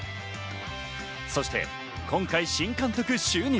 そして今回、新監督就任。